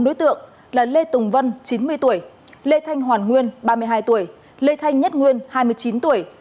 bốn đối tượng là lê tùng vân chín mươi tuổi lê thanh hoàn nguyên ba mươi hai tuổi lê thanh nhất nguyên hai mươi chín tuổi